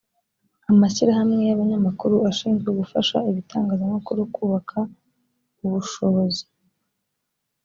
amashyirahamwe y‘abanyamakuru ashinzwe gufasha ibitangazamakuru kubaka ubushobozi